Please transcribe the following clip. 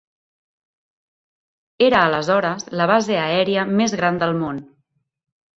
Era aleshores la base aèria més gran del món.